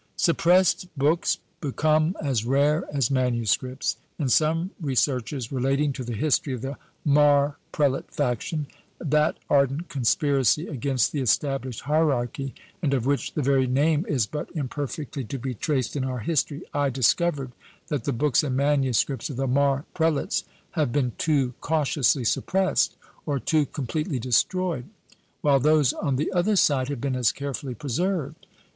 Suppressed books become as rare as manuscripts. In some researches relating to the history of the Mar prelate faction, that ardent conspiracy against the established hierarchy, and of which the very name is but imperfectly to be traced in our history, I discovered that the books and manuscripts of the Mar prelates have been too cautiously suppressed, or too completely destroyed; while those on the other side have been as carefully preserved.